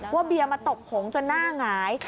ว่าเบียมาตบหงษ์จนหน้าง้าย